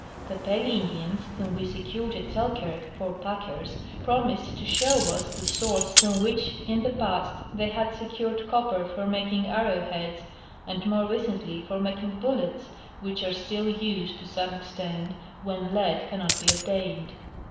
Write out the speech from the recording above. The Pelly Indians whom we secured at Selkirk for packers promised to show us the source from which in the past they had secured copper for making arrow heads and more recently for making bullets, Avhich are still used to some extent when lead cannot be obtained.